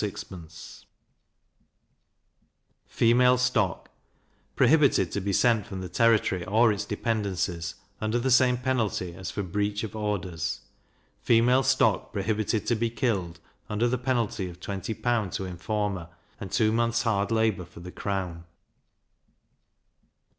Female Stock prohibited to be sent from the territory, or its dependencies, under the same penalty as for breach of orders. Female stock prohibited to be killed, under the penalty of 20L. to informer, and two months hard labour for the crown.